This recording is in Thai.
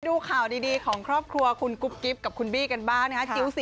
ดูข่าวดีของครอบครัวคุณกุ๊บกิ๊บกับคุณบี้กันบ้างนะฮะ